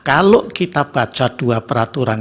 kalau kita baca dua peraturan